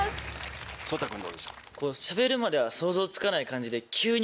颯太君どうでした？